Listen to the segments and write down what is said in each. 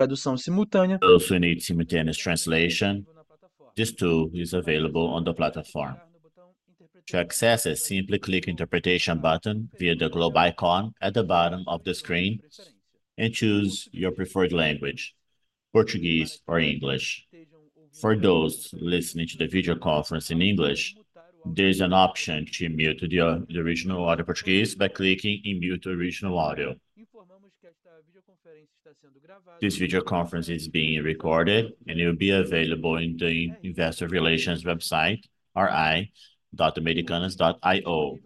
Simultaneous translation. Those who need simultaneous translation, this tool is available on the platform. To access it, simply click Interpretation button via the globe icon at the bottom of the screen and choose your preferred language, Portuguese or English. For those listening to the video conference in English, there is an option to mute the original audio in Portuguese by clicking on Mute Original Audio. This video conference is being recorded, and it will be available on the Investor Relations website, ri.americanas.io,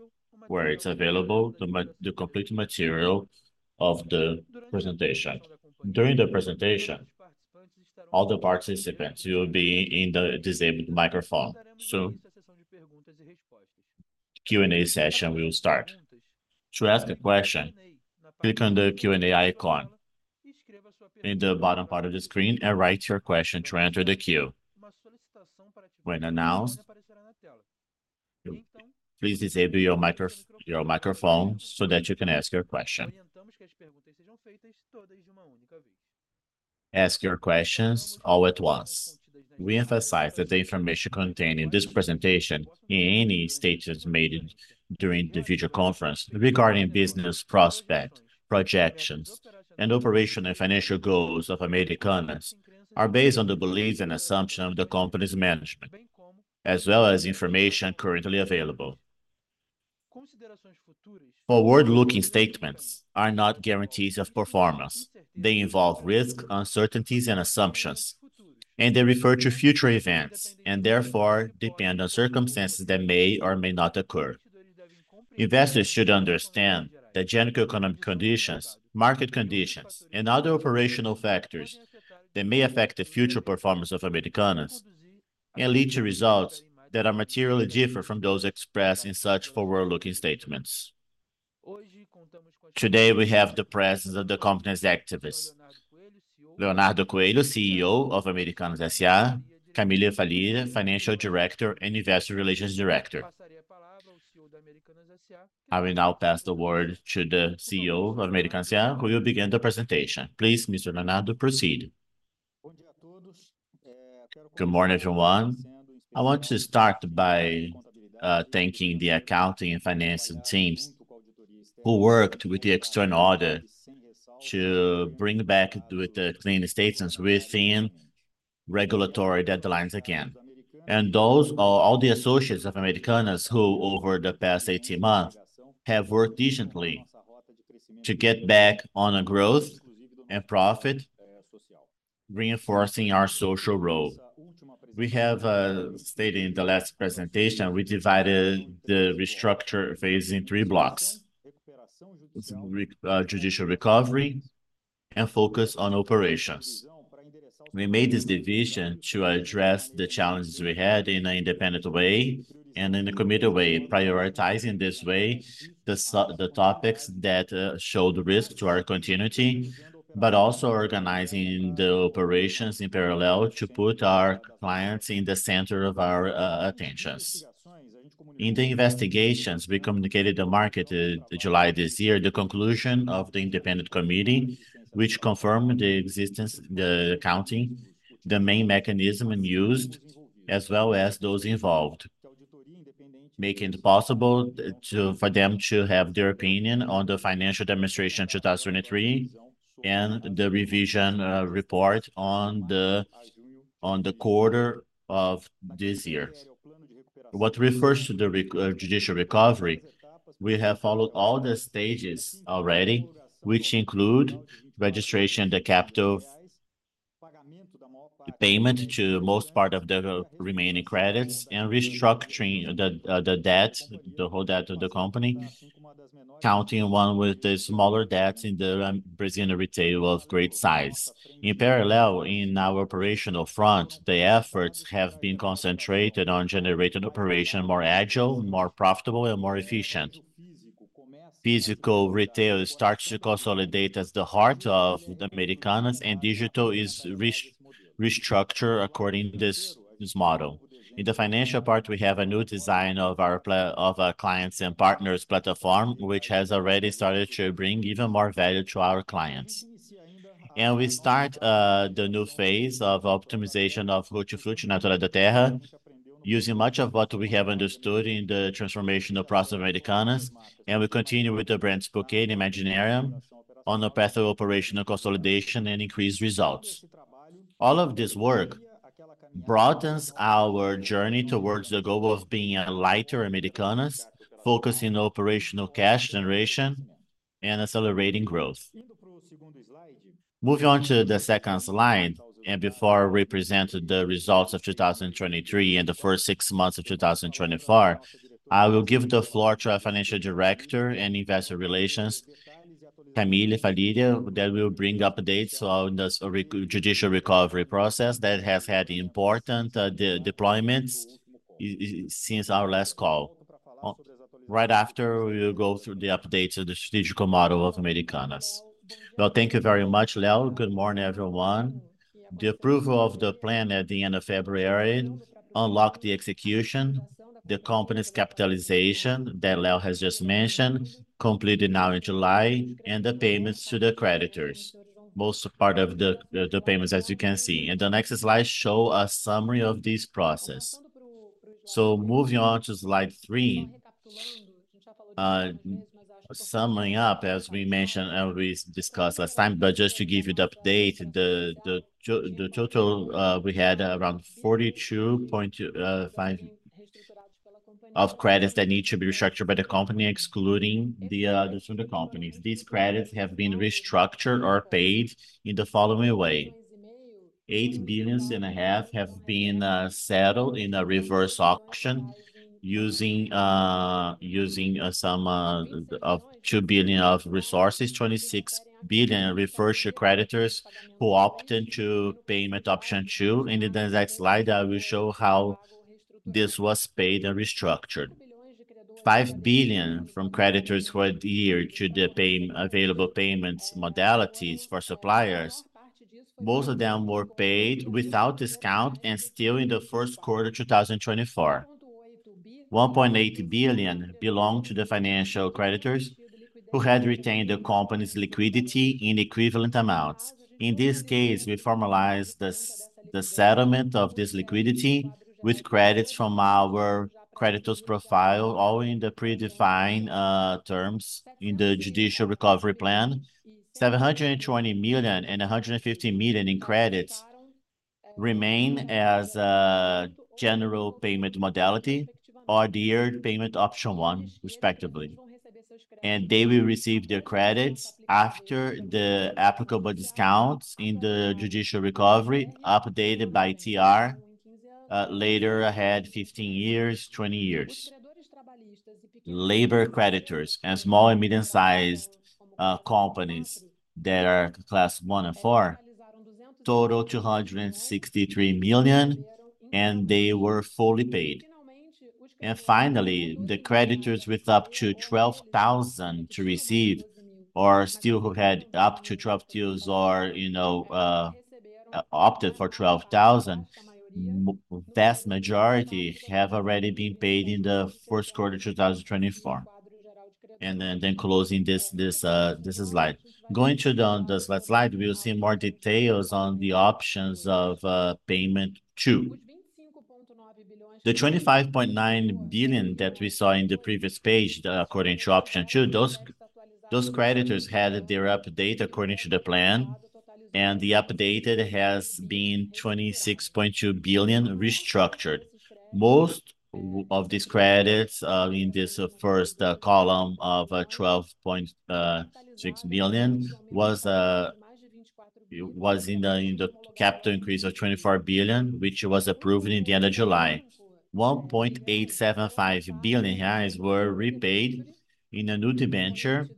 where it's available the complete material of the presentation. During the presentation, all the participants will be in the disabled microphone, so Q&A session will start. To ask a question, click on the Q&A icon in the bottom part of the screen and write your question to enter the queue. When announced, please disable your microphone so that you can ask your question. Ask your questions all at once. We emphasize that the information contained in this presentation, in any statements made during the video conference regarding business prospects, projections, and operational and financial goals of Americanas, are based on the beliefs and assumptions of the company's management, as well as information currently available. Forward-looking statements are not guarantees of performance. They involve risks, uncertainties, and assumptions, and they refer to future events, and therefore depend on circumstances that may or may not occur. Investors should understand that general economic conditions, market conditions, and other operational factors that may affect the future performance of Americanas can lead to results that are materially different from those expressed in such forward-looking statements. Today, we have the presence of the company's executives, Leonardo Coelho, CEO of Americanas S.A., Camille Faria, Financial Director and Investor Relations Director. I will now pass the word to the CEO of Americanas S.A., who will begin the presentation. Please, Mr. Leonardo, proceed. Good morning, everyone. I want to start by thanking the accounting and financing teams, who worked with the external audit to bring back the clean statements within regulatory deadlines again. And those all the associates of Americanas, who over the past 18 months have worked diligently to get back on a growth and profit, reinforcing our social role. We have stated in the last presentation, we divided the restructure phase in three blocks: judicial recovery and focus on operations. We made this division to address the challenges we had in an independent way and in a committed way, prioritizing this way, the topics that showed risk to our continuity, but also organizing the operations in parallel to put our clients in the center of our attentions. In the investigations, we communicated the market in July this year, the conclusion of the independent committee, which confirmed the existence, the accounting, the main mechanism used, as well as those involved, making it possible for them to have their opinion on the financial administration in 2023, and the revision report on the quarter of this year. What refers to the judicial recovery, we have followed all the stages already, which include registration, the capital, the payment to most part of the remaining credits, and restructuring the debt, the whole debt of the company, counting one with the smaller debts in the Brazilian retail of great size. In parallel, in our operational front, the efforts have been concentrated on generating operation more agile, more profitable, and more efficient. Physical retail starts to consolidate as the heart of the Americanas, and digital is restructured according this, this model. In the financial part, we have a new design of our of our clients and partners' platform, which has already started to bring even more value to our clients. We start the new phase of optimization of Hortifruti Natural da Terra, using much of what we have understood in the transformational process of Americanas, and we continue with the brands Puket and Imaginarium on the path of operational consolidation and increased results. All of this work broadens our journey towards the goal of being a lighter Americanas, focusing on operational cash generation and accelerating growth. Moving on to the second slide, and before I represent the results of 2023 and the first six months of 2024, I will give the floor to our financial director and investor relations, Camille Loyo Faria, that will bring updates on the judicial recovery process that has had important developments since our last call. Right after, we will go through the updates of the strategic model of Americanas. Well, thank you very much, Leo. Good morning, everyone. The approval of the plan at the end of February unlocked the execution, the company's capitalization that Leo has just mentioned, completed now in July, and the payments to the creditors. Most part of the payments, as you can see. The next slide show a summary of this process. Moving on to slide three, summing up, as we mentioned and we discussed last time, but just to give you the update, the total, we had around 42.5 of credits that need to be restructured by the company, excluding the subordinate companies. These credits have been restructured or paid in the following way: 8.5 billion have been settled in a reverse auction using using some of 2 billion of resources. 26 billion refers to creditors who opted to payment option two. In the next slide, I will show how this was paid and restructured. 5 billion from creditors who adhered to the pay-available payments modalities for suppliers, most of them were paid without discount and still in the first quarter 2024. 1.8 billion belonged to the financial creditors who had retained the company's liquidity in equivalent amounts. In this case, we formalized the settlement of this liquidity with credits from our creditors profile, all in the predefined terms in the Judicial Recovery plan. 720 million and 150 million in credits remain as general payment modality or the year payment option one, respectively. They will receive their credits after the applicable discounts in the judicial recovery, updated by TR, later ahead, 15 years, 20 years. Labor creditors and small and medium-sized companies that are class 1 and 4, total 263 million, and they were fully paid. Finally, the creditors with up to 12,000 to receive or still who had up to 12,000 or, you know, opted for 12,000, vast majority have already been paid in the first quarter of 2024. Then closing this, this slide. Going to the, on this last slide, we'll see more details on the options of payment two. The 25.9 billion that we saw in the previous page, according to option two, those creditors had their update according to the plan, and the updated has been 26.2 billion restructured. Most of these credits, in this first column of 12.6 billion was in the capital increase of 24 billion, which was approved in the end of July. 1.875 billion reais were repaid in a new debenture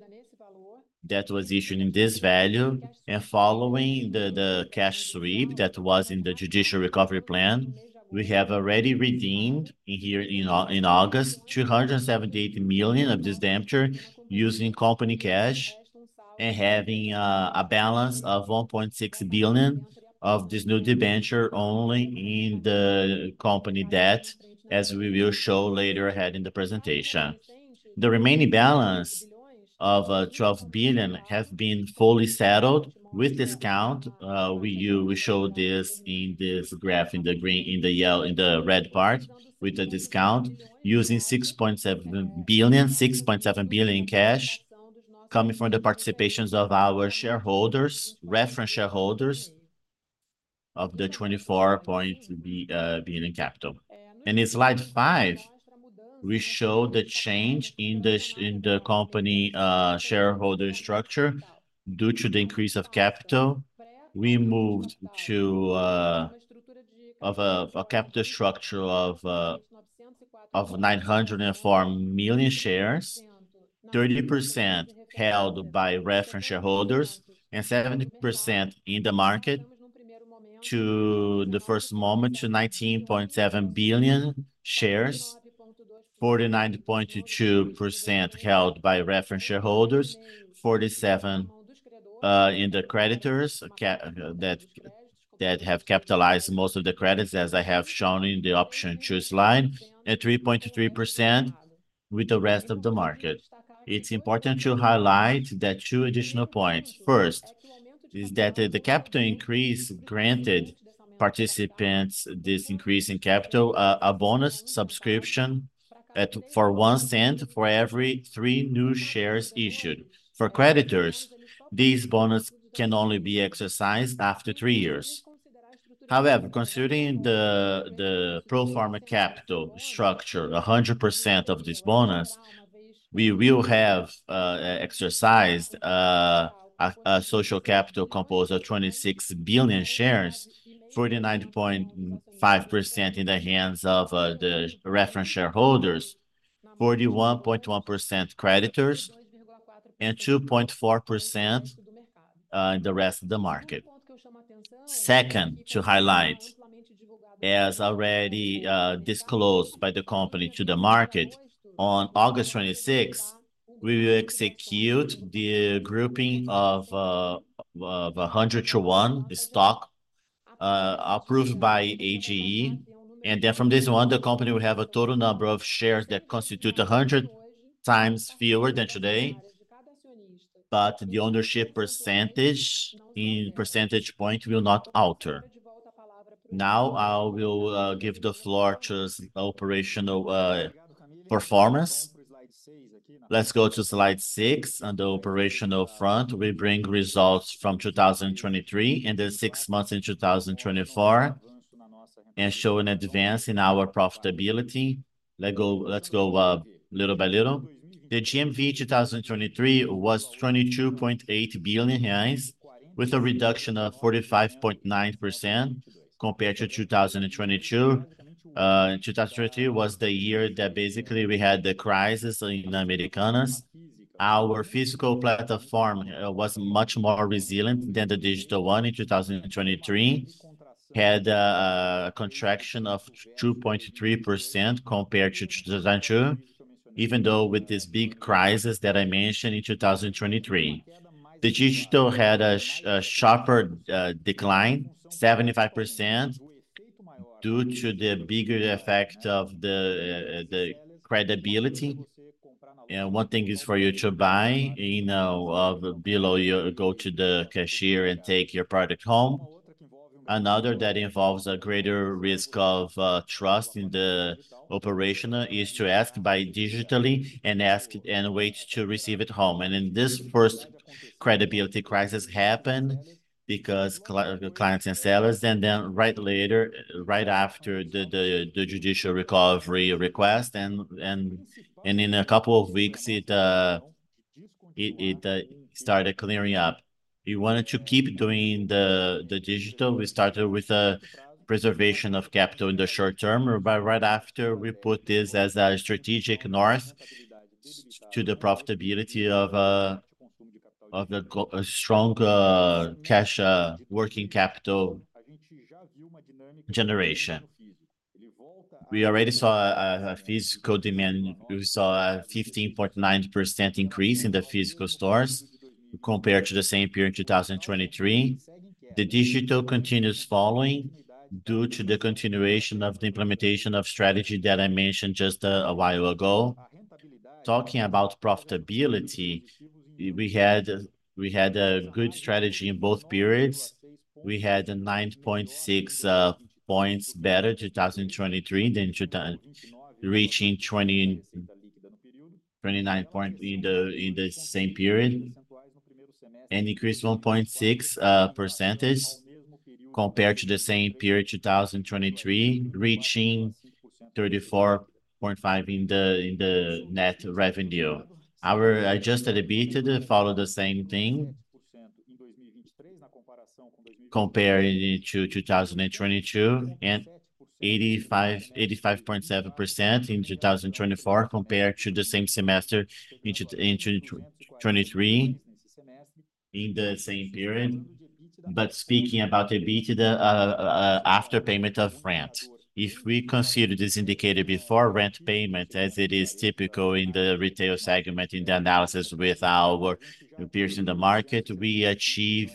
that was issued in this value, and following the cash sweep that was in the judicial recovery plan, we have already redeemed here in August, 278 million of this debenture using company cash and having a balance of 1.6 billion of this new debenture only in the company debt, as we will show later ahead in the presentation. The remaining balance of 12 billion has been fully settled with discount. We show this in this graph in the green, in the yellow, in the red part, with a discount, using 6.7 billion, 6.7 billion in cash coming from the participations of our shareholders, reference shareholders of the 24 billion capital. In slide five, we show the change in the company shareholder structure. Due to the increase of capital, we moved to a capital structure of 904 million shares, 30% held by reference shareholders, and 70% in the market, to the first moment, to 19.7 billion shares, 49.22% held by reference shareholders, 47% in the creditors that have capitalized most of the credits, as I have shown in the option two slide, and 3.3% with the rest of the market. It's important to highlight two additional points. First, is that the capital increase granted participants this increase in capital a bonus subscription at for 0.01 for every 3 new shares issued. For creditors, this bonus can only be exercised after three years. However, considering the pro forma capital structure, 100% of this bonus, we will have exercised a social capital composed of 26 billion shares, 49.5% in the hands of the reference shareholders, 41.1% creditors, and 2.4% in the rest of the market. Second, to highlight as already disclosed by the company to the market, on August 26th, we will execute the grouping of 100-1 stock approved by AGE. And then from this one, the company will have a total number of shares that constitute 100 times fewer than today, but the ownership percentage in percentage point will not alter. Now, I will give the floor to operational performance. Let's go to slide six. On the operational front, we bring results from 2023 and then six months in 2024, and show an advance in our profitability. Let's go little by little. The GMV 2023 was 22.8 billion reais, with a reduction of 45.9% compared to 2022. 2022 was the year that basically we had the crisis in the Americanas. Our physical platform was much more resilient than the digital one in 2023. Had a contraction of 2.3% compared to 2022, even though with this big crisis that I mentioned in 2023. The digital had a sharper decline, 75%, due to the bigger effect of the credibility. One thing is for you to buy, you know, below you go to the cashier and take your product home. Another that involves a greater risk of trust in the operational is to ask by digitally and ask and wait to receive at home. And in this first credibility crisis happened because clients and sellers, and then right later, right after the Judicial Recovery request, and in a couple of weeks, it started clearing up. We wanted to keep doing the digital. We started with a preservation of capital in the short term, but right after, we put this as a strategic north to the profitability of a strong cash working capital generation. We already saw a physical demand. We saw a 15.9% increase in the physical stores compared to the same period in 2023. The digital continues following due to the continuation of the implementation of strategy that I mentioned just, a while ago. Talking about profitability, we had a good strategy in both periods. We had a 9.6 points better in 2023 than 2022, reaching 29 point in the same period. An increase of 1.6% compared to the same period, 2023, reaching 34.5% in the net revenue. Our adjusted EBITDA followed the same thing, comparing it to 2022, and 85.7% in 2024 compared to the same semester in 2023, in the same period. Speaking about EBITDA, after payment of rent, if we consider this indicator before rent payment, as it is typical in the retail segment, in the analysis with our peers in the market, we achieve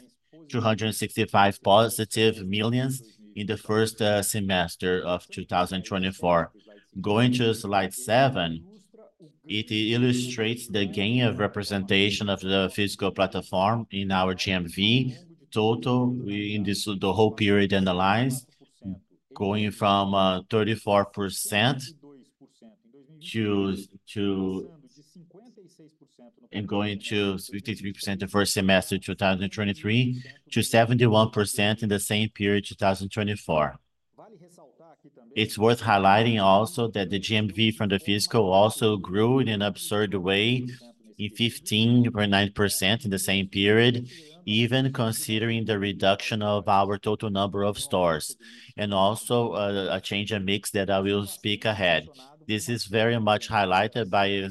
+265 million in the first semester of 2024. Going to slide 7, it illustrates the gain of representation of the physical platform in our GMV total in the whole period analyzed, going from 34%-53% the first semester in 2023, to 71% in the same period, 2024. It's worth highlighting also that the GMV from the physical also grew in an absurd way, 15.9% in the same period, even considering the reduction of our total number of stores, and also a change in mix that I will speak ahead. This is very much highlighted by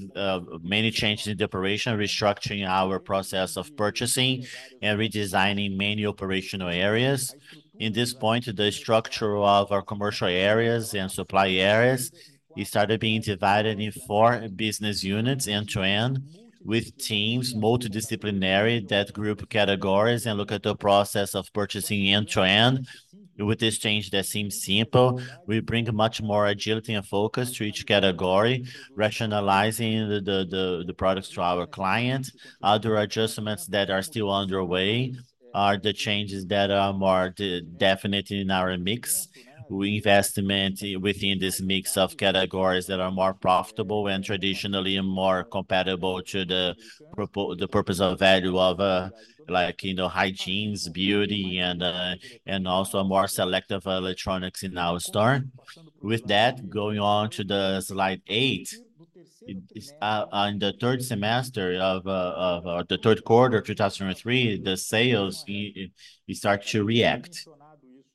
many changes in the operation, restructuring our process of purchasing and redesigning many operational areas. In this point, the structure of our commercial areas and supply areas, it started being divided in four business units, end-to-end, with teams, multidisciplinary, that group categories and look at the process of purchasing end-to-end. With this change that seems simple, we bring much more agility and focus to each category, rationalizing the products to our clients. Other adjustments that are still underway are the changes that are more definite in our mix. We investment within this mix of categories that are more profitable and traditionally more compatible to the purpose of value of, like, you know, hygiene, beauty, and also more selective electronics in our store. With that, going on to the slide 8, on the third semester of the third quarter of 2023, the sales it start to react.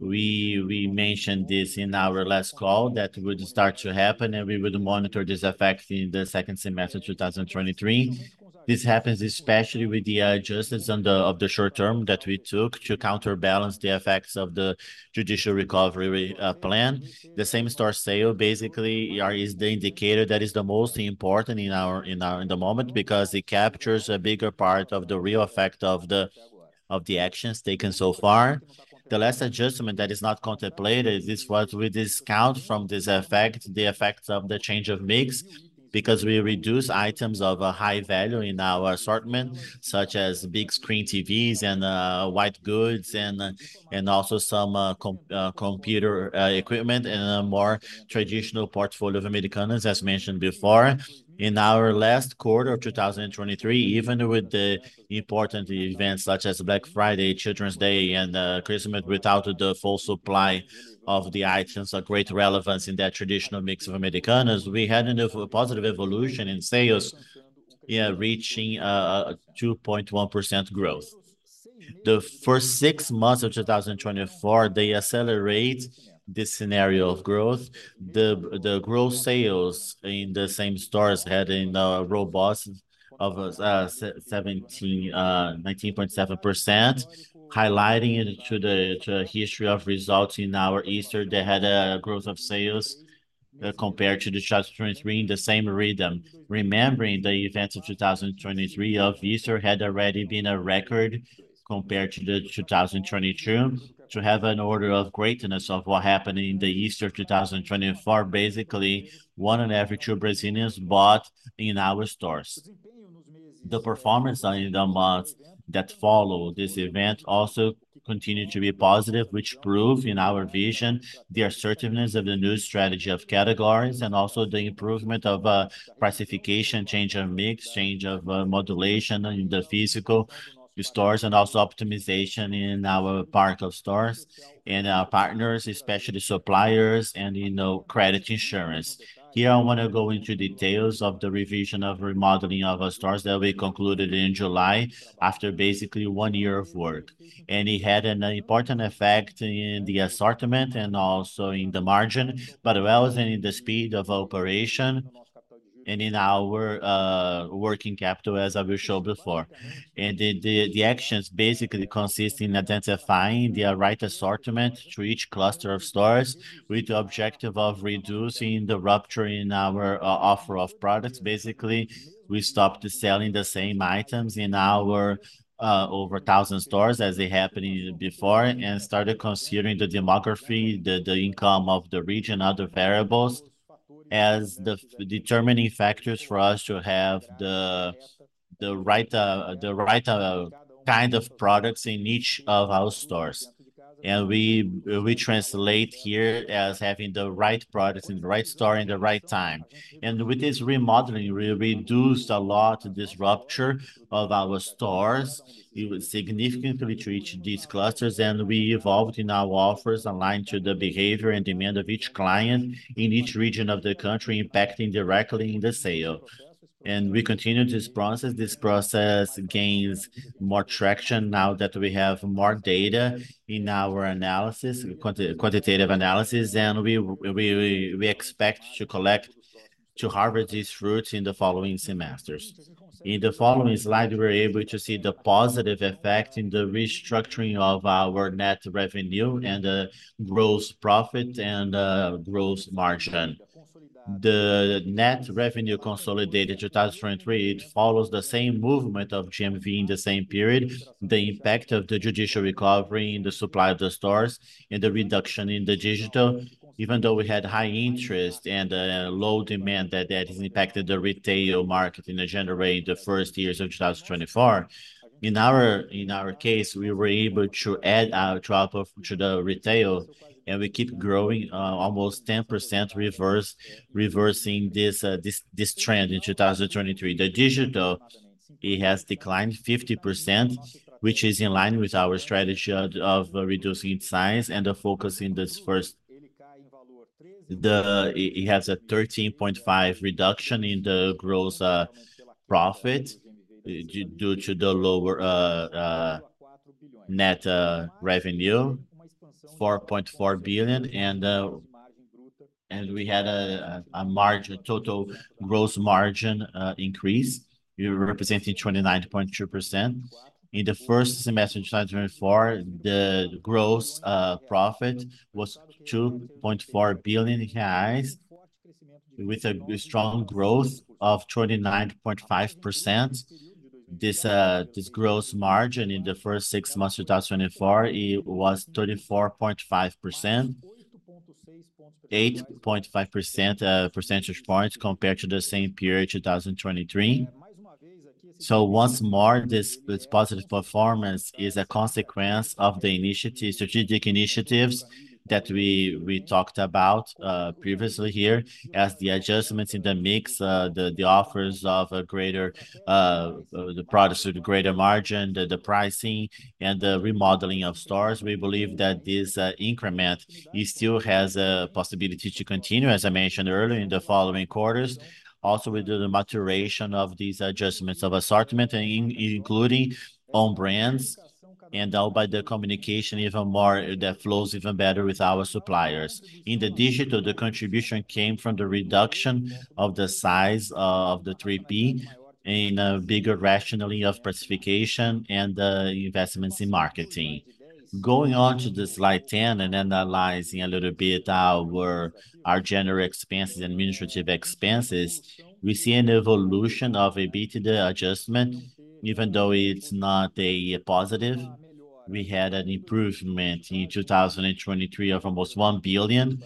We mentioned this in our last call, that would start to happen, and we would monitor this effect in the second semester of 2023. This happens especially with the adjustments on the short term that we took to counterbalance the effects of the Judicial Recovery plan. The same store sale basically is the indicator that is the most important in the moment, because it captures a bigger part of the real effect of the actions taken so far. The last adjustment that is not contemplated is what we discount from this effect, the effects of the change of mix, because we reduce items of a high value in our assortment, such as big screen TVs and white goods, and also some computer equipment, and a more traditional portfolio of Americanas, as mentioned before. In our last quarter of 2023, even with the important events such as Black Friday, Children's Day, and Christmas, without the full supply of the items of great relevance in that traditional mix of Americanas, we had a positive evolution in sales, yeah, reaching 2.1% growth. The first six months of 2024, they accelerate this scenario of growth. The growth sales in the same stores had a robust of 19.7%, highlighting it to the history of results in our Easter. They had a growth of sales compared to the 2023 in the same rhythm. Remembering the events of 2023 of Easter had already been a record compared to the 2022. To have an order of greatness of what happened in the Easter of 2024, basically, one in every two Brazilians bought in our stores. The performance in the months that followed this event also continued to be positive, which prove, in our vision, the assertiveness of the new strategy of categories, and also the improvement of classification, change of mix, change of modulation in the physical stores, and also optimization in our part of stores, and our partners, especially suppliers and, you know, credit insurance. Here, I want to go into details of the revision of remodeling of our stores that we concluded in July after basically one year of work. It had an important effect in the assortment and also in the margin, but well as in the speed of operation and in our working capital, as I showed before. And the actions basically consist in identifying the right assortment to each cluster of stores, with the objective of reducing the rupture in our offer of products. Basically, we stopped selling the same items in our over 1,000 stores as it happened before, and started considering the demography, the income of the region, other variables, as the determining factors for us to have the right kind of products in each of our stores. And we translate here as having the right products in the right store in the right time. And with this remodeling, we reduced a lot this rupture of our stores. It was significantly to each of these clusters, and we evolved in our offers aligned to the behavior and demand of each client in each region of the country, impacting directly in the sale. We continue this process. This process gains more traction now that we have more data in our analysis, quantitative analysis, and we expect to harvest these fruits in the following semesters. In the following slide, we're able to see the positive effect in the restructuring of our net revenue and the gross profit and gross margin. The net revenue consolidated 2023 follows the same movement of GMV in the same period, the impact of the judicial recovery in the supply of the stores and the reduction in the digital, even though we had high interest and low demand that has impacted the retail market in January, the first quarter of 2024. In our case, we were able to add our output to the retail, and we keep growing almost 10% reversing this trend in 2023. The digital, it has declined 50%, which is in line with our strategy of reducing its size and the focus in this first. It has a 13.5 reduction in the gross net revenue, 4.4 billion, and we had a total gross margin increase representing 29.2%. In the first semester of 2024, the gross profit was 2.4 billion reais, with a strong growth of 29.5%. This, this gross margin in the first six months of 2024, it was 34.5%, 8.5 percentage points compared to the same period, 2023. So once more, this, this positive performance is a consequence of the initiative, strategic initiatives that we talked about previously here, as the adjustments in the mix, the offers of a greater, the products with greater margin, the pricing, and the remodeling of stores. We believe that this increment, it still has a possibility to continue, as I mentioned earlier, in the following quarters. Also, with the maturation of these adjustments of assortment, including own brands, and now by the communication even more, that flows even better with our suppliers. In the digital, the contribution came from the reduction of the size of the 3P, and a bigger rationally of participation, and investments in marketing. Going on to the slide 10, and analyzing a little bit our general expenses and administrative expenses, we see an evolution of a bit adjustment, even though it's not a positive. We had an improvement in 2023 of almost 1 billion,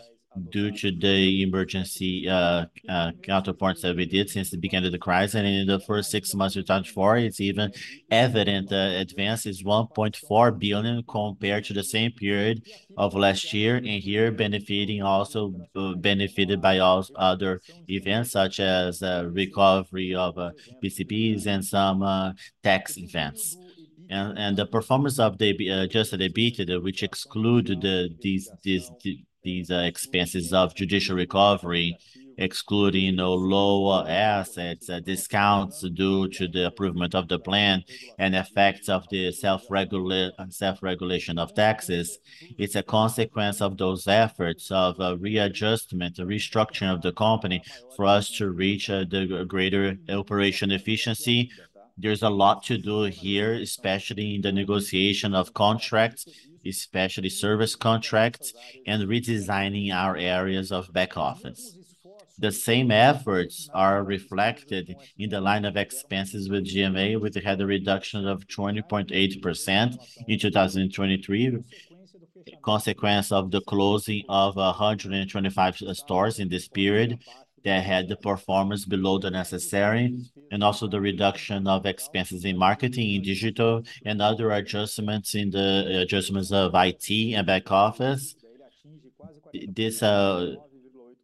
due to the emergency counterpoints that we did since the beginning of the crisis. In the first six months of 2024, it's even evident, advance is 1.4 billion compared to the same period of last year, and here benefited also by other events, such as recovery of PCPs and some tax events. And the performance of the adjusted EBITDA, which exclude these expenses of judicial recovery, excluding, you know, low assets, discounts due to the improvement of the plan, and effects of the self-regulation of taxes. It's a consequence of those efforts of readjustment, restructuring of the company for us to reach the greater operation efficiency. There's a lot to do here, especially in the negotiation of contracts, especially service contracts, and redesigning our areas of back office. The same efforts are reflected in the line of expenses with SG&A, which had a reduction of 20.8% in 2023. Consequence of the closing of 125 stores in this period that had the performance below the necessary, and also the reduction of expenses in marketing and digital, and other adjustments in the adjustments of IT and back office. This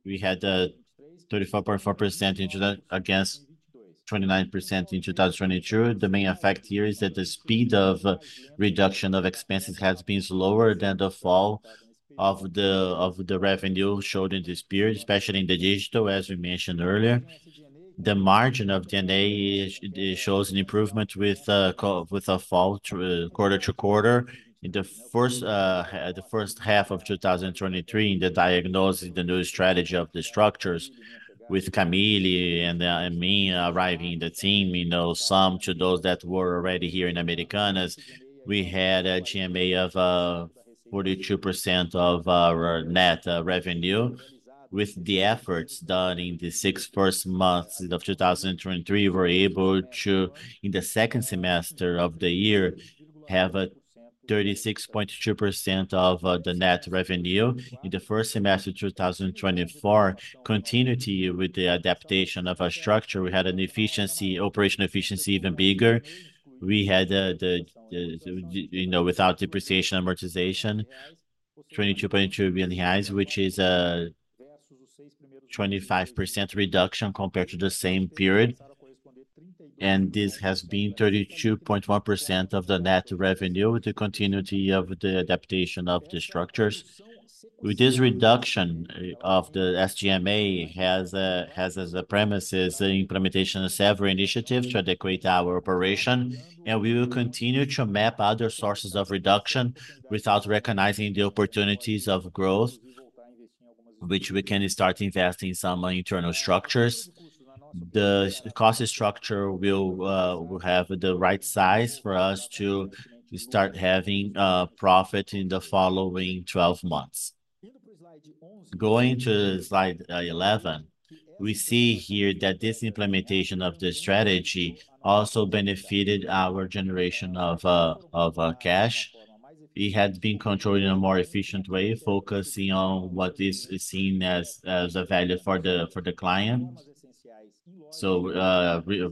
we had 34.4% in Q3 against 29% in 2022. The main effect here is that the speed of reduction of expenses has been slower than the fall of the revenue showed in this period, especially in the digital, as we mentioned earlier. The margin of SG&A shows an improvement with a fall quarter-to-quarter. In the first, the first half of 2023, in the diagnosis, the new strategy of the structures with Camille and, and me arriving in the team, you know, some to those that were already here in Americanas, we had a SG&A of 42% of our net revenue. With the efforts done in the six first months of 2023, we were able to, in the second semester of the year, have a 36.2% of the net revenue. In the first semester of 2024, continuity with the adaptation of our structure, we had an efficiency, operational efficiency even bigger. We had, you know, without depreciation amortization, 22.2 billion reais, which is a 25% reduction compared to the same period, and this has been 32.1% of the net revenue, with the continuity of the adaptation of the structures. With this reduction of the SG&A has as a premise is the implementation of several initiatives to integrate our operation, and we will continue to map other sources of reduction without recognizing the opportunities of growth, which we can start investing in some internal structures. The cost structure will have the right size for us to start having profit in the following 12 months. Going to slide 11, we see here that this implementation of the strategy also benefited our generation of cash. It had been controlled in a more efficient way, focusing on what is seen as a value for the client. So,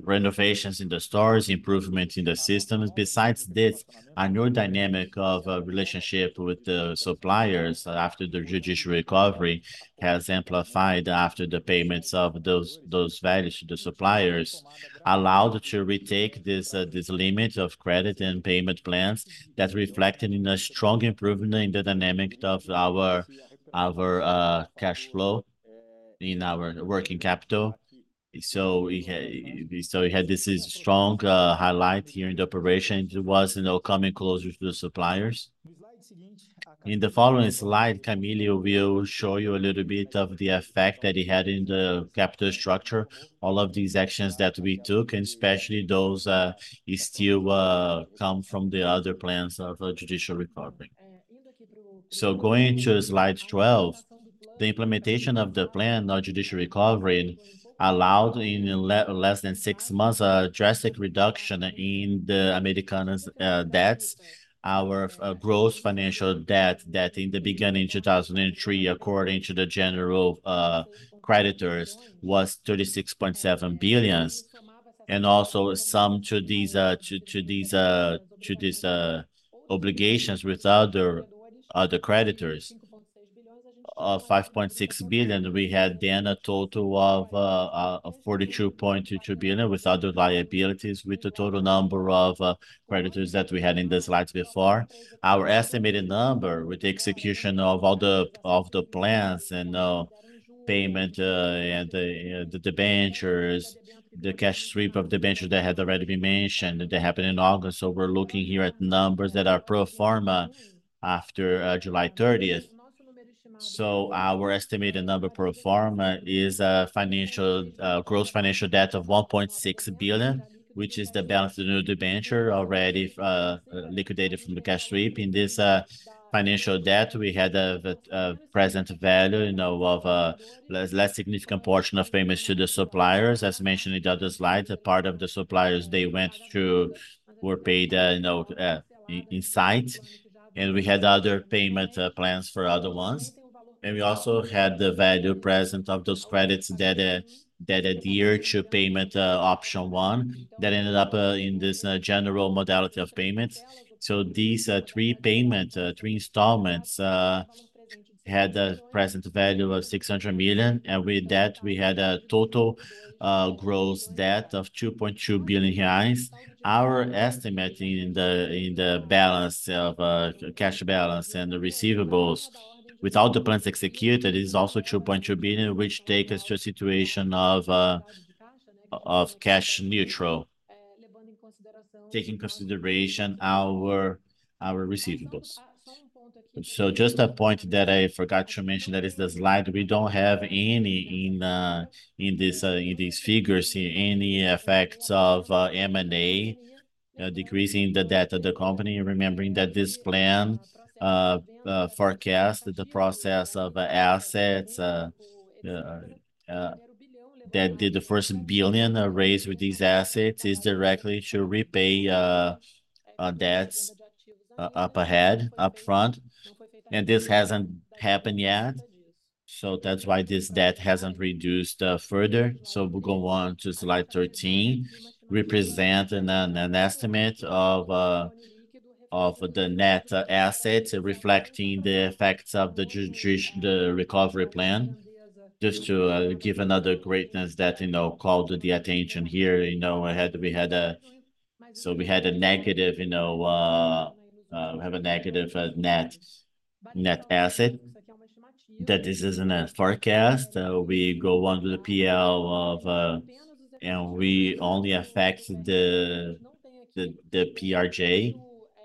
renovations in the stores, improvements in the systems. Besides this, a new dynamic of a relationship with the suppliers after the judicial recovery has amplified after the payments of those values to the suppliers, allowed to retake this limit of credit and payment plans that reflected in a strong improvement in the dynamic of our cash flow in our working capital. So we had this strong highlight here in the operation. It was, you know, coming closer to the suppliers. In the following slide, Camille will show you a little bit of the effect that it had in the capital structure, all of these actions that we took, and especially those still come from the other plans of judicial recovery. So going to slide 12, the implementation of the plan, our judicial recovery, allowed in less than 6 months, a drastic reduction in the Americanas debts. Our gross financial debt in the beginning of 2023, according to the general creditors, was 36.7 billion, and also some to these obligations with other creditors of 5.6 billion. We had then a total of 42.2 billion with other liabilities, with a total number of creditors that we had in the slides before. Our estimated number, with the execution of all the plans and, payment, and the, the debentures, the cash sweep of debentures that had already been mentioned, that happened in August. So we're looking here at numbers that are pro forma after, July 30th. So our estimated number pro forma is, financial, gross financial debt of 1.6 billion, which is the balance of the new debenture already, liquidated from the cash sweep. In this, financial debt, we had a, present value, you know, of, less, less significant portion of payments to the suppliers. As mentioned in the other slide, a part of the suppliers they went to, were paid, you know, in site, and we had other payment, plans for other ones. We also had the present value of those credits that adhered to payment option one that ended up in this general modality of payments. So these three payment three installments had a present value of 600 million, and with that, we had a total gross debt of 2.2 billion reais. Our estimate in the balance of cash balance and the receivables without the plans executed is also 2.2 billion, which take us to a situation of cash neutral, taking consideration our receivables. So just a point that I forgot to mention, that is the slide. We don't have any in these figures here any effects of M&A decreasing the debt of the company. Remembering that this plan forecast the process of assets that did the first 1 billion raised with these assets is directly to repay debts up ahead, up front, and this hasn't happened yet. That's why this debt hasn't reduced further. We go on to slide 13, representing an estimate of the net assets, reflecting the effects of the judicial recovery plan. Just to give another greatness that, you know, called the attention here, you know, we had a negative, you know, we have a negative net asset, that this is in a forecast. We go on to the PL of, and we only affect the PRJ.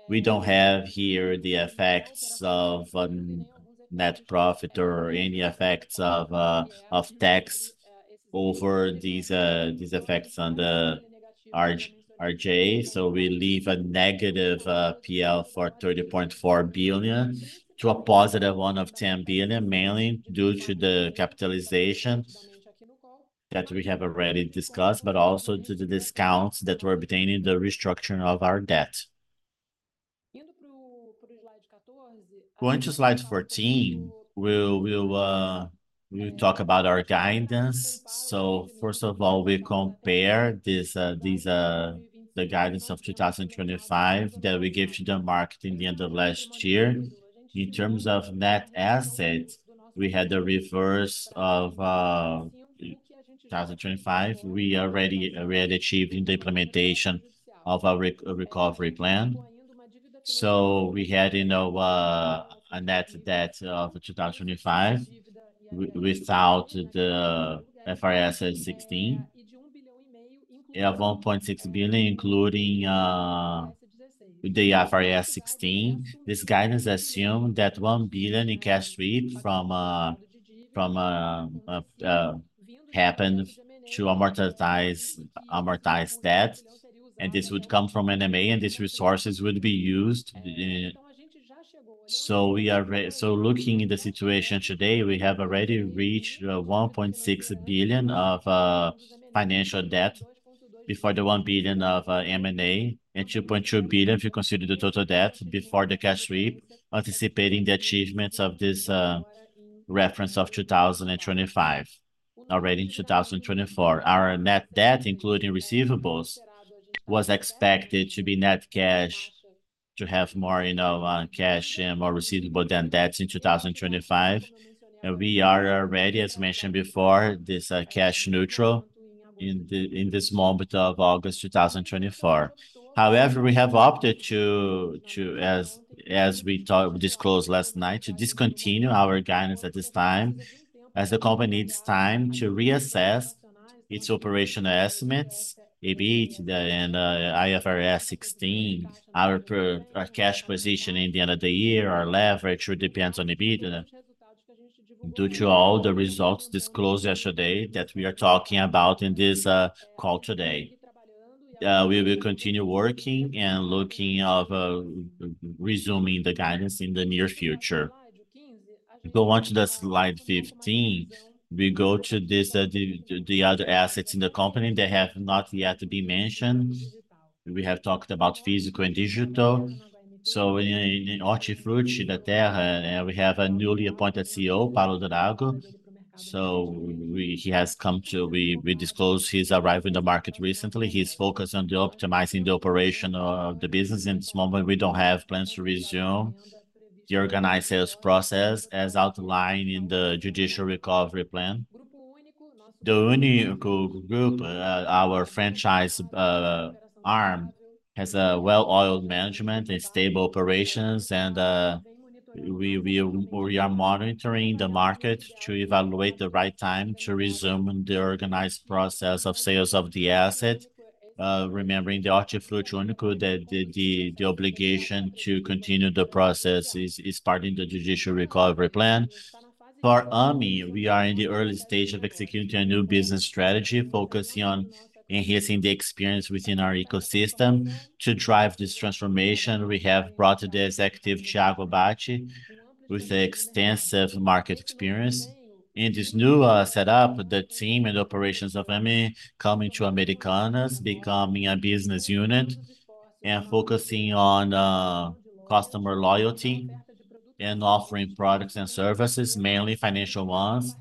We don't have here the effects of net profit or any effects of tax over these effects on the RJ, RJ. So we leave a negative PL for 30.4 billion to a positive one of 10 billion, mainly due to the capitalizations that we have already discussed, but also to the discounts that we're obtaining the restructuring of our debt. Going to slide 14, we'll talk about our guidance. So first of all, we compare this the guidance of 2025 that we gave to the market in the end of last year. In terms of net assets, we had a reverse of 2025. We already, we had achieved in the implementation of our recovery plan. So we had, you know, a net debt of 2025 without the IFRS 16, of 1.6 billion, including the IFRS 16. This guidance assumed that 1 billion in cash sweep from happened to amortize that, and this would come from M&A, and these resources would be used. So looking in the situation today, we have already reached 1.6 billion of financial debt before the 1 billion of M&A, and 2.2 billion, if you consider the total debt before the cash sweep, anticipating the achievements of this reference of 2025. Already in 2024, our net debt, including receivables, was expected to be net cash, to have more, you know, cash and more receivable than debts in 2025. And we are already, as mentioned before, cash neutral in this moment of August 2024. However, we have opted to, as we talked, disclosed last night, to discontinue our guidance at this time, as the company needs time to reassess its operational estimates, EBIT, and IFRS 16, our cash position in the end of the year, our leverage really depends on EBIT, due to all the results disclosed yesterday that we are talking about in this call today. We will continue working and looking of resuming the guidance in the near future. Go on to the slide 15. We go to this, the other assets in the company that have not yet to be mentioned. We have talked about physical and digital. So in Hortifruti Natural da Terra, we have a newly appointed CEO, Paulo Drago. So he has come to. We disclosed his arrival in the market recently. He's focused on the optimizing the operation of the business. In this moment, we don't have plans to resume the organized sales process, as outlined in the Judicial Recovery Plan. The Uni.co group, our franchise arm, has a well-oiled management and stable operations, and we are monitoring the market to evaluate the right time to resume the organized process of sales of the asset. Remembering the Hortifruti, Uni.co, that the obligation to continue the process is part in the Judicial Recovery Plan. For Ame, we are in the early stage of executing a new business strategy, focusing on enhancing the experience within our ecosystem. To drive this transformation, we have brought the executive, Tiago Abate, with extensive market experience. In this new setup, the team and operations of Ame coming to Americanas, becoming a business unit and focusing on customer loyalty and offering products and services, mainly financial ones,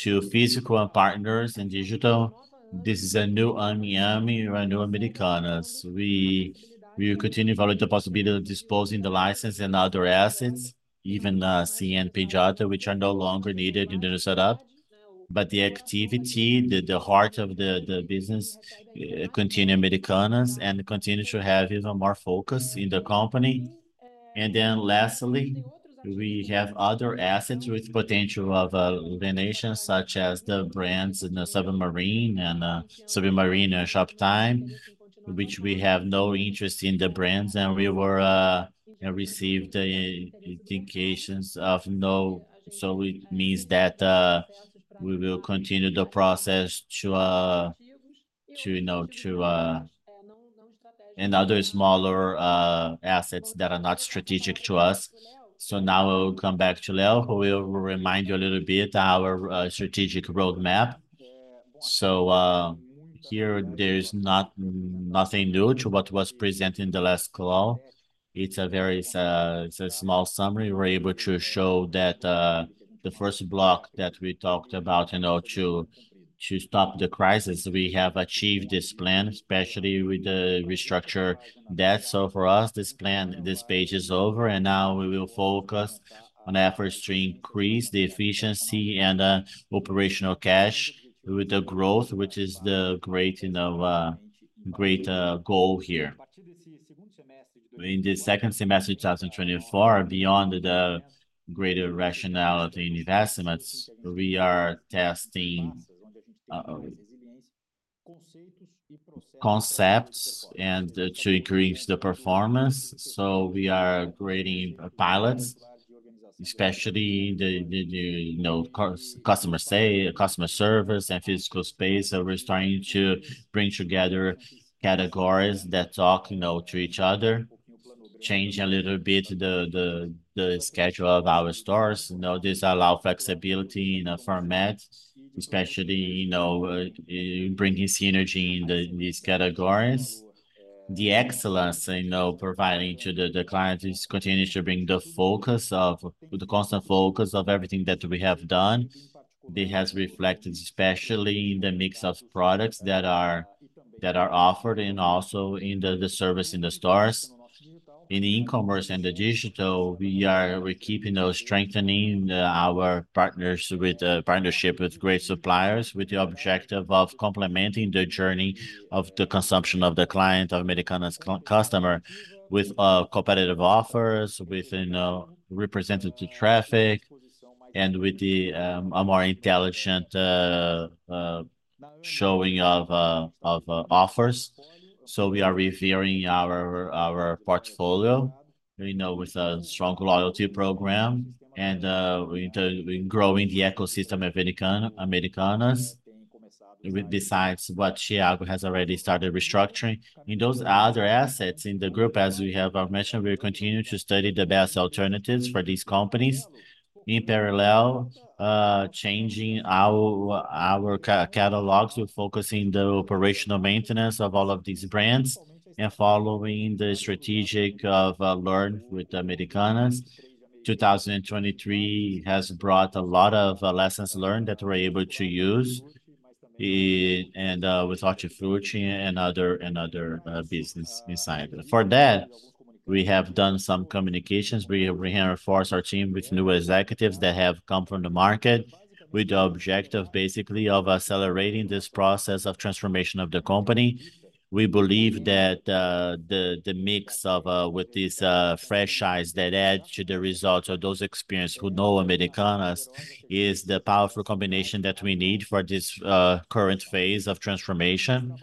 to physical and partners in digital. This is a new Ame, Ame, a new Americanas. We, we continue to evaluate the possibility of disposing the license and other assets, even CNPJ, which are no longer needed in the new setup. But the activity, the, the heart of the, the business continue Americanas and continue to have even more focus in the company. Then lastly, we have other assets with potential for monetization, such as the brands in the Submarino and Shoptime, which we have no interest in the brands, and we were received the indications of no. So it means that we will continue the process to, you know, to. And other smaller assets that are not strategic to us. So now I will come back to Leo, who will remind you a little bit our strategic roadmap. So here, there's nothing new to what was presented in the last call. It's a very, it's a small summary. We're able to show that the first block that we talked about, you know, to stop the crisis, we have achieved this plan, especially with the restructured debt. So for us, this plan, this page is over, and now we will focus on efforts to increase the efficiency and, operational cash with the growth, which is the great, you know, great, goal here. In the second semester of 2024, beyond the greater rationality investments, we are testing, concepts and to increase the performance. So we are creating pilots, especially the, you know, customer service and physical space. So we're starting to bring together categories that talk, you know, to each other, change a little bit the schedule of our stores. You know, this allow flexibility in a format, especially, you know, bringing synergy in the- these categories. The excellence, you know, providing to the client is continues to bring the focus of the constant focus of everything that we have done. This has reflected, especially in the mix of products that are offered, and also in the service in the stores. In e-commerce and the digital, we're keeping those strengthening our partners with partnership with great suppliers, with the objective of complementing the journey of the consumption of the client, of Americanas customer, with competitive offers, with, you know, representative traffic, and with a more intelligent showing of offers. So we are reviewing our portfolio, you know, with a strong loyalty program and in growing the ecosystem of Americanas, with besides what Tiago has already started restructuring. In those other assets in the group, as we have mentioned, we continue to study the best alternatives for these companies. In parallel, changing our catalogs, we're focusing the operational maintenance of all of these brands and following the strategy of learning with Americanas. 2023 has brought a lot of lessons learned that we're able to use with Hortifruti and other businesses inside. For that, we have done some communications. We have reinforced our team with new executives that have come from the market, with the objective, basically, of accelerating this process of transformation of the company. We believe that the mix of these fresh eyes that add to the results of those experienced who know Americanas is the powerful combination that we need for this current phase of transformation.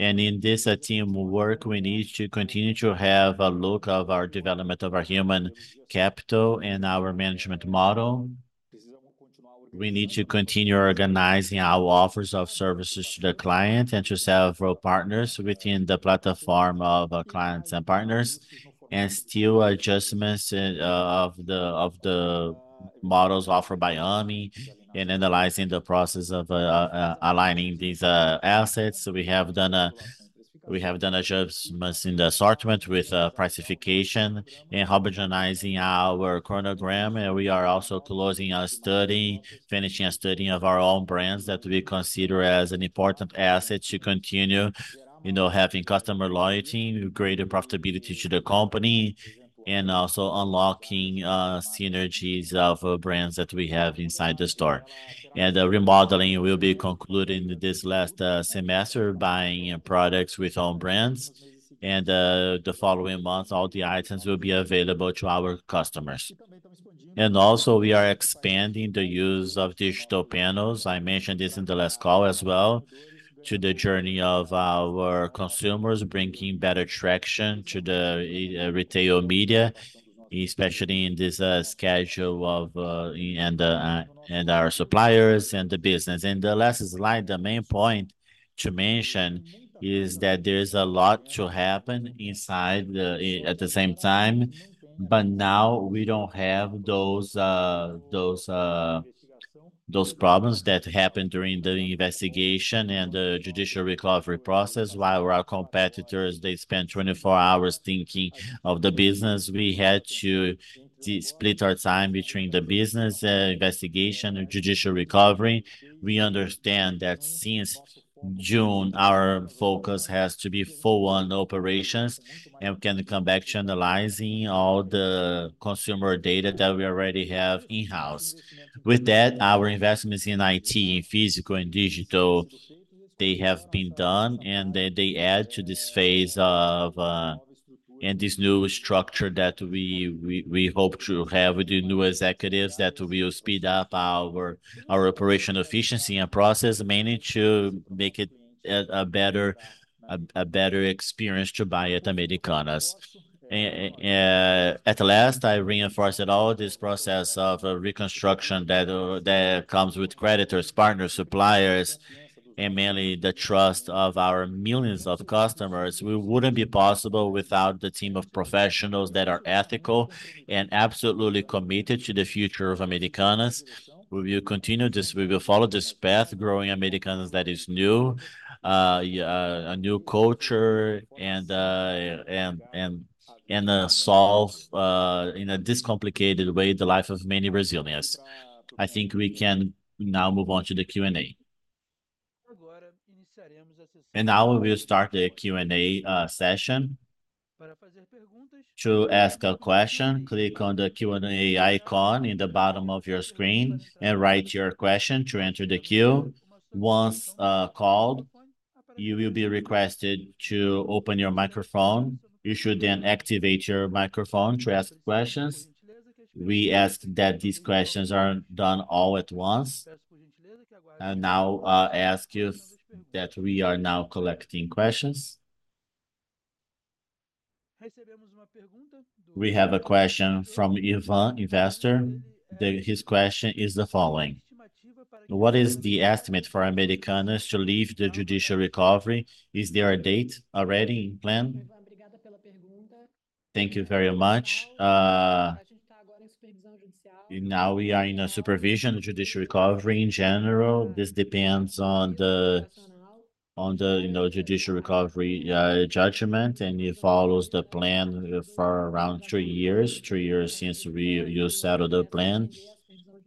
In this teamwork, we need to continue to have a look at our development of our human capital and our management model. We need to continue organizing our offers of services to the client and to several partners within the platform of clients and partners, and still adjustments of the models offered by Ame and analyzing the process of aligning these assets. So we have done adjustments in the assortment with pricing and homogenizing our chronogram. We are also closing a study, finishing a study of our own brands that we consider as an important asset to continue, you know, having customer loyalty, greater profitability to the company, and also unlocking synergies of brands that we have inside the store. And the remodeling will be concluded in this last semester, buying products with own brands, and the following months, all the items will be available to our customers. And also, we are expanding the use of digital panels, I mentioned this in the last call as well, to the journey of our consumers, bringing better traction to the retail media, especially in this schedule of our suppliers and the business. And the last slide, the main point to mention is that there is a lot to happen inside at the same time, but now we don't have those problems that happened during the investigation and the judicial recovery process. While our competitors, they spent 24 hours thinking of the business, we had to split our time between the business, investigation, and judicial recovery. We understand that since June, our focus has to be full on operations, and we can come back to analyzing all the consumer data that we already have in-house. With that, our investments in IT, in physical and digital, they have been done, and then they add to this phase of, and this new structure that we hope to have with the new executives, that will speed up our operational efficiency and process, mainly to make it a better experience to buy at Americanas. At last, I reinforced that all this process of reconstruction that comes with creditors, partners, suppliers, and mainly the trust of our millions of customers, we wouldn't be possible without the team of professionals that are ethical and absolutely committed to the future of Americanas. We will continue this, we will follow this path growing Americanas that is new, yeah, a new culture and, and, and, solve, in a de-complicated way, the life of many Brazilians. I think we can now move on to the Q&A. Now we will start the Q&A session. To ask a question, click on the Q&A icon in the bottom of your screen and write your question to enter the queue. Once called, you will be requested to open your microphone. You should then activate your microphone to ask questions. We ask that these questions aren't done all at once. Now ask you that we are now collecting questions. We have a question from Ivan, investor. His question is the following: What is the estimate for Americanas to leave the judicial recovery? Is there a date already in plan? Thank you very much. Now we are in a supervision, judicial recovery. In general, this depends on the, you know, judicial recovery judgment, and it follows the plan for around three years. Three years since we- you settled the plan,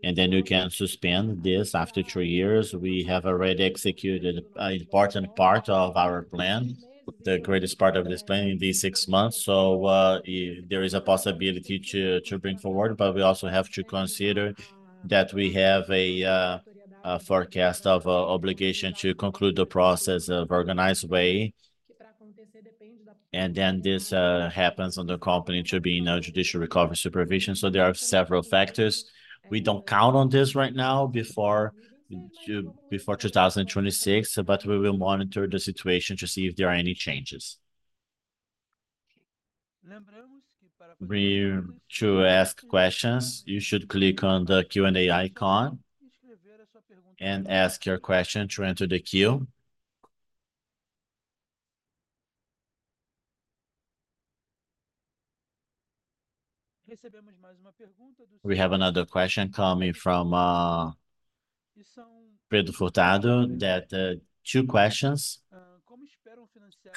and then you can suspend this after three years. We have already executed an important part of our plan, the greatest part of this plan in these six months. So, there is a possibility to bring forward, but we also have to consider that we have a forecast of obligation to conclude the process of organized way. And then this happens on the company to be in a judicial recovery supervision. So there are several factors. We don't count on this right now, before two- before 2026, but we will monitor the situation to see if there are any changes. To ask questions, you should click on the Q&A icon and ask your question to enter the queue. We have another question coming from Pedro Furtado, that two questions: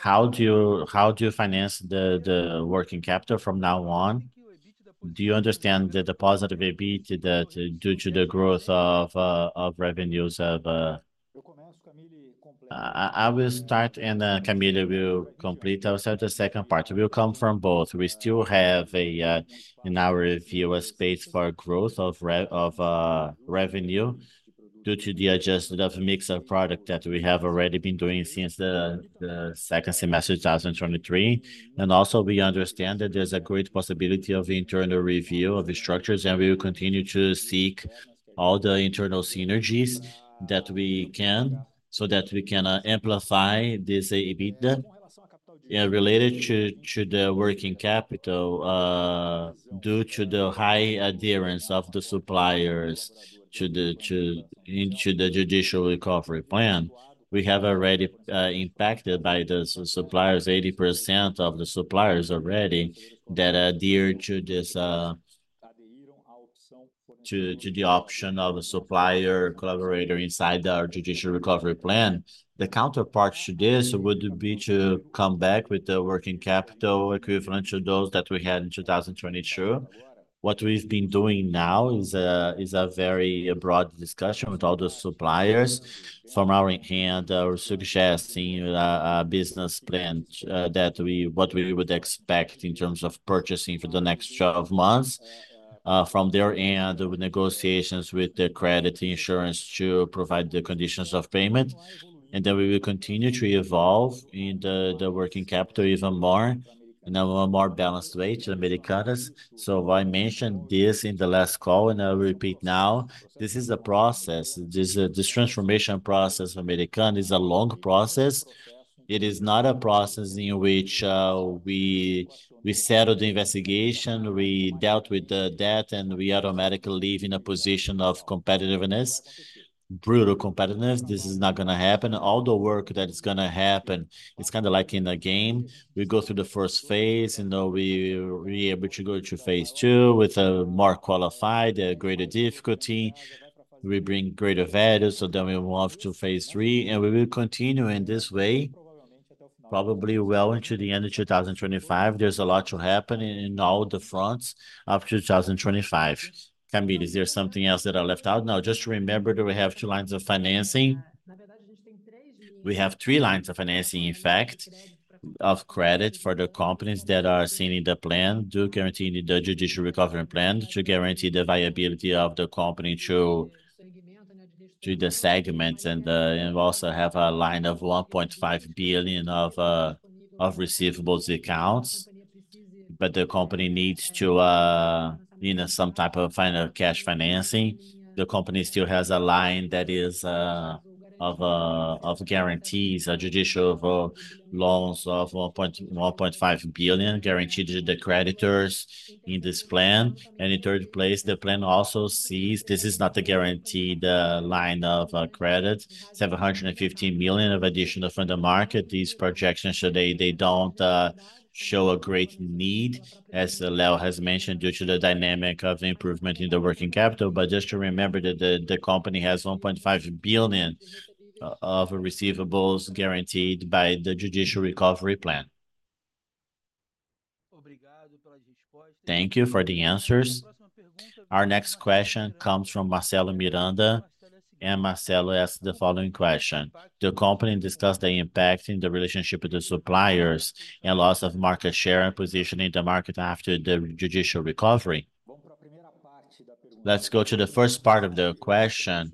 How do you, how do you finance the working capital from now on? Do you understand the positive EBIT that due to the growth of revenues of- I will start, and Camille will complete also the second part. We will come from both. We still have, in our view, a space for growth of revenue due to the adjustment of mix of product that we have already been doing since the second semester, 2023. Also, we understand that there's a great possibility of internal review of the structures, and we will continue to seek all the internal synergies that we can, so that we can amplify this EBITDA. Yeah, related to the working capital, due to the high adherence of the suppliers to the, to into the judicial recovery plan, we have already impacted by the suppliers, 80% of the suppliers already that adhere to this, to the option of a supplier collaborator inside our judicial recovery plan. The counterpart to this would be to come back with the working capital equivalent to those that we had in 2022. What we've been doing now is a very broad discussion with all the suppliers. From our end, we're suggesting a business plan that what we would expect in terms of purchasing for the next 12 months. From their end, with negotiations with the credit insurance to provide the conditions of payment, and then we will continue to evolve in the working capital even more, in a more balanced way to Americanas. So I mentioned this in the last call, and I will repeat now, this is a process. This transformation process of Americanas is a long process. It is not a process in which we settle the investigation, we dealt with the debt, and we automatically live in a position of competitiveness, brutal competitiveness. This is not gonna happen. All the work that is gonna happen, it's kind of like in a game. We go through the first phase, you know, we are able to go to phase II with a more qualified, a greater difficulty. We bring greater value, so then we move to phase III, and we will continue in this way, probably well into the end of 2025. There's a lot to happen in all the fronts of 2025. Camille, is there something else that I left out? No, just remember that we have two lines of financing. We have three lines of financing, in fact, of credit for the companies that are seen in the plan, to guarantee the Judicial Recovery plan, to guarantee the viability of the company to the segments. And we also have a line of 1.5 billion of receivables accounts. But the company needs to, you know, some type of final cash financing. The company still has a line that is, of a, of guarantees, a judicial, loans of 1.5 billion, guaranteed to the creditors in this plan. And in third place, the plan also sees this is not a guaranteed, line of, credit. It's 750 million of additional from the market. These projections, so they, they don't, show a great need, as Leo has mentioned, due to the dynamic of improvement in the working capital. But just to remember that the, the company has 1.5 billion of receivables guaranteed by the judicial recovery plan. Thank you for the answers. Our next question comes from Marcelo Miranda, and Marcelo asks the following question: Does the company discuss the impact in the relationship with the suppliers, and loss of market share, and position in the market after the judicial recovery? Let's go to the first part of the question,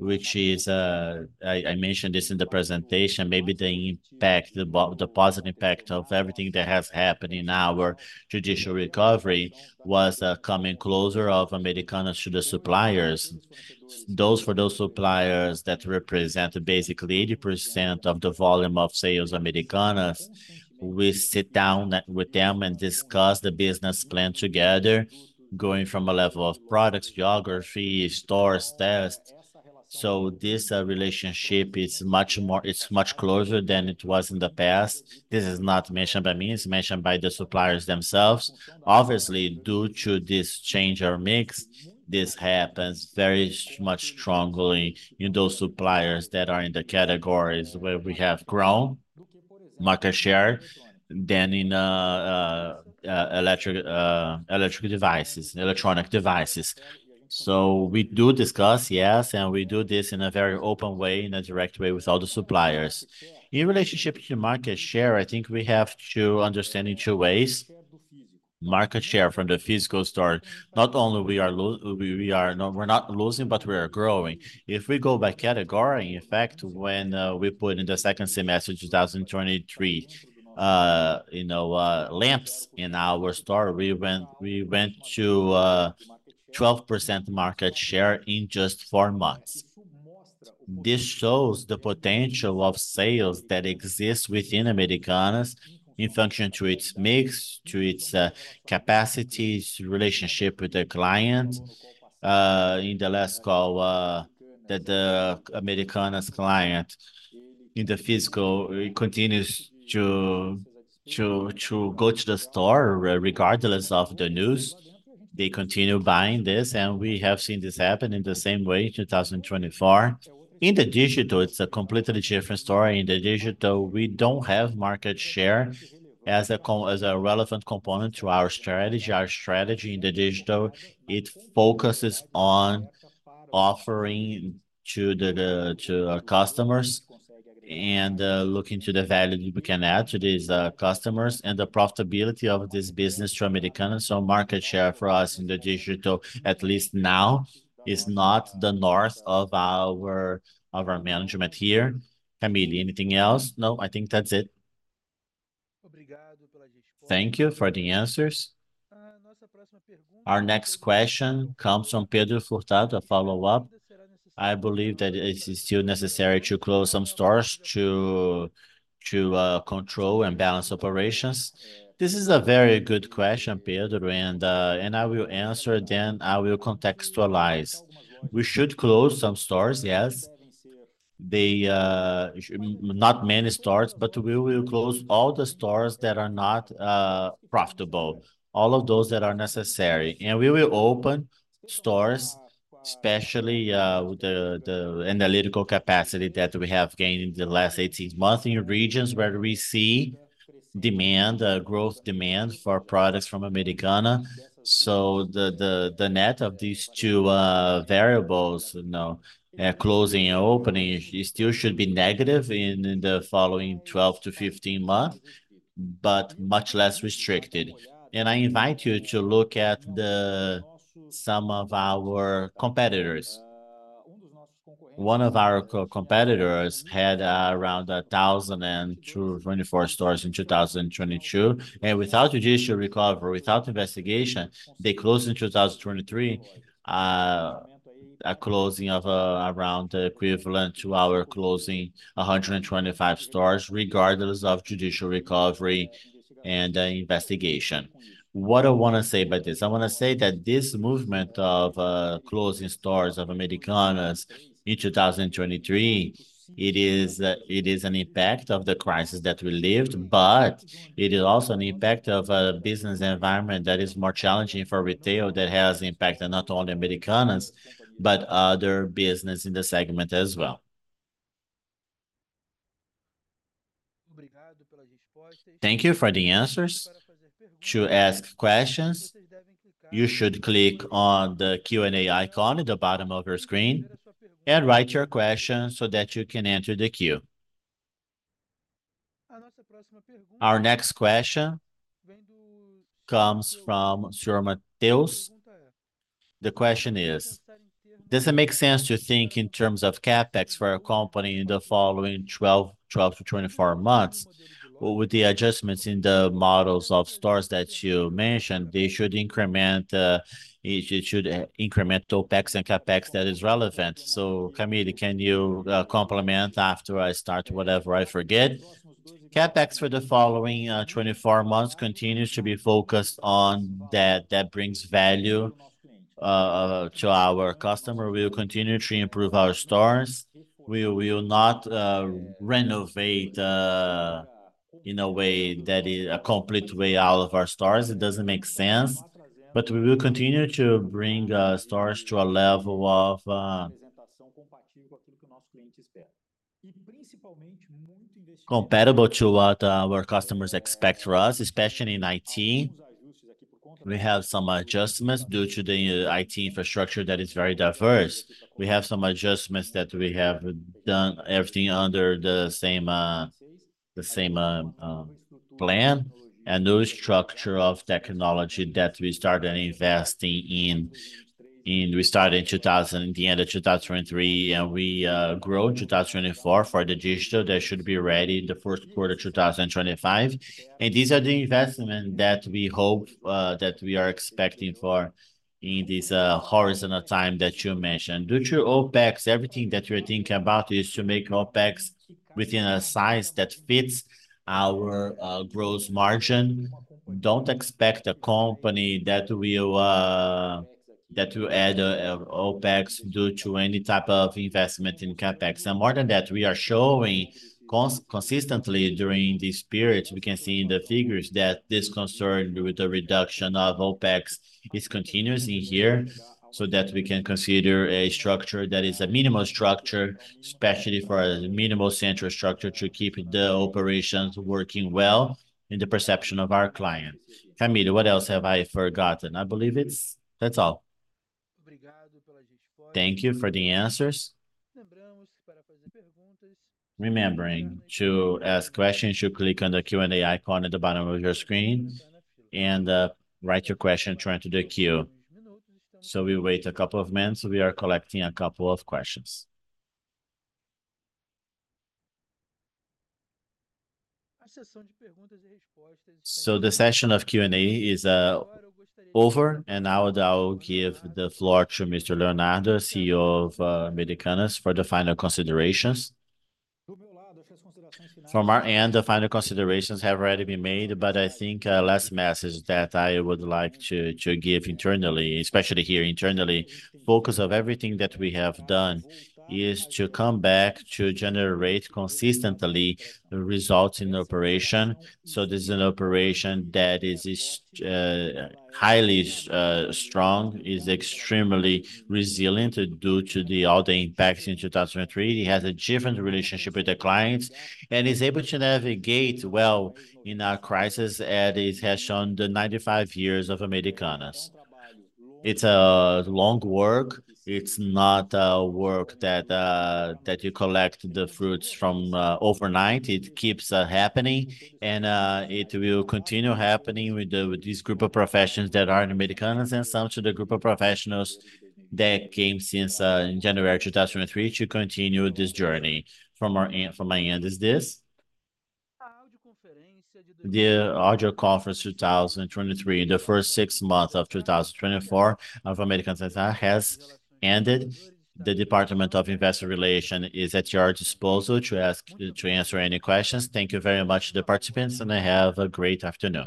which is, I mentioned this in the presentation, maybe the impact, the positive impact of everything that has happened in our judicial recovery was, coming closer of Americanas to the suppliers. Those, for those suppliers that represent basically 80% of the volume of sales Americanas, we sit down with them and discuss the business plan together, going from a level of products, geography, stores, tests. So this relationship is much more, it's much closer than it was in the past. This is not mentioned by me, it's mentioned by the suppliers themselves. Obviously, due to this change or mix, this happens very much strongly in those suppliers that are in the categories where we have grown market share than in electronic devices. So we do discuss, yes, and we do this in a very open way, in a direct way with all the suppliers. In relationship to market share, I think we have to understand in two ways. Market share from the physical store, not only we are, we are. No, we're not losing, but we are growing. If we go by category, in fact, when we put in the second semester, 2023, you know, lamps in our store, we went to 12% market share in just four months. This shows the potential of sales that exist within Americanas in function to its mix, to its capacities, relationship with the client. In the last call, that the Americanas client in the physical continues to go to the store regardless of the news. They continue buying this, and we have seen this happen in the same way, 2024. In the digital, it's a completely different story. In the digital, we don't have market share as a relevant component to our strategy. Our strategy in the digital, it focuses on offering to our customers and looking to the value we can add to these customers, and the profitability of this business to Americanas. So market share for us in the digital, at least now, is not the north of our management here. Camille, anything else? No, I think that's it. Thank you for the answers. Our next question comes from Pedro Furtado, a follow-up. I believe that it is still necessary to close some stores to control and balance operations. This is a very good question, Pedro, and I will answer, then I will contextualize. We should close some stores, yes Not many stores, but we will close all the stores that are not profitable, all of those that are necessary. And we will open stores, especially the analytical capacity that we have gained in the last 18 months in regions where we see demand growth demand for products from Americanas. So the net of these two variables, you know, closing and opening, it still should be negative in the following 12-15 months, but much less restricted. And I invite you to look at some of our competitors. One of our competitors had around 1,024 stores in 2022, and without Judicial Recovery, without investigation, they closed in 2023 a closing of around equivalent to our closing 125 stores, regardless of Judicial Recovery and investigation. What I wanna say by this? I wanna say that this movement of closing stores of Americanas in 2023, it is, it is an impact of the crisis that we lived, but it is also an impact of a business environment that is more challenging for retail, that has impacted not only Americanas, but other business in the segment as well. Thank you for the answers. To ask questions, you should click on the Q&A icon at the bottom of your screen and write your question so that you can enter the queue. Our next question comes from Mr. Mateus. The question is: Does it make sense to think in terms of CapEx for a company in the following 12-24 months? With the adjustments in the models of stores that you mentioned, they should increment, it should increment OpEx and CapEx that is relevant. So, Camille, can you complement after I start, whatever I forget? CapEx for the following 24 months continues to be focused on that that brings value to our customer. We will continue to improve our stores. We will not renovate in a way that is a complete layout of our stores. It doesn't make sense, but we will continue to bring stores to a level of compatible to what our customers expect for us, especially in IT. We have some adjustments due to the IT infrastructure that is very diverse. We have some adjustments that we have done everything under the same the same plan, and new structure of technology that we started investing in. We started in 2023, the end of 2023, and we grow 2024 for the digital. That should be ready in the first quarter 2025. These are the investment that we hope that we are expecting for in this time horizon that you mentioned. Due to OpEx, everything that you're thinking about is to make OpEx within a size that fits our gross margin. Don't expect a company that will add OpEx due to any type of investment in CapEx. And more than that, we are showing consistently during this period, we can see in the figures that this concern with the reduction of OpEx is continuous in here, so that we can consider a structure that is a minimal structure, especially for a minimal central structure, to keep the operations working well in the perception of our clients. Camille, what else have I forgotten? I believe it's, that's all. Thank you for the answers. Remembering, to ask questions, you click on the Q&A icon at the bottom of your screen, and write your question to enter the queue. So we wait a couple of minutes. We are collecting a couple of questions. So the session of Q&A is over, and now I'll give the floor to Mr. Leonardo, CEO of Americanas, for the final considerations. From our end, the final considerations have already been made, but I think, last message that I would like to give internally, especially here internally, focus of everything that we have done is to come back to generate consistently results in operation. So this is an operation that is, highly, strong, is extremely resilient due to all the impacts in 2023. It has a different relationship with the clients and is able to navigate well in a crisis, and it has shown the 95 years of Americanas. It's a long work. It's not a work that you collect the fruits from, overnight. It keeps happening, and it will continue happening with this group of professionals that are in Americanas and some to the group of professionals that came since in January 2023 to continue this journey. From my end, is this. The audio conference 2023, the first six months of 2024 of Americanas has ended. The Department of Investor Relations is at your disposal to answer any questions. Thank you very much to the participants, and have a great afternoon.